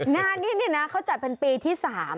งานนี้เขาจัดปันปี๓